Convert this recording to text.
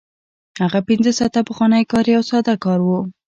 هغه پنځه ساعته پخوانی کار یو ساده کار و